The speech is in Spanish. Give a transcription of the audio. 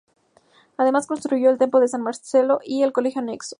Además construyó el Templo de San Marcelo y el Colegio anexo.